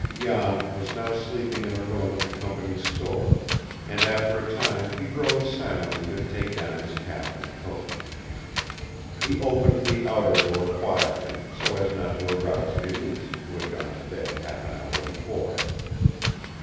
Jan was now sleeping in a room at the company's store, and after a time he rose silently to take down his cap and coat. He opened the outer door quietly, so as not to arouse Mélisse, who had gone to bed half an hour before.